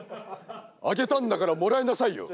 「あげたんだからもらいなさいよ」。